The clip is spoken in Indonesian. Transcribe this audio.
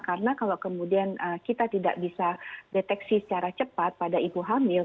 karena kalau kemudian kita tidak bisa deteksi secara cepat pada ibu hamil